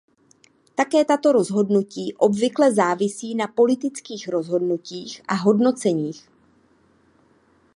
Také tato rozhodnutí obvykle závisí na politických rozhodnutích a hodnoceních.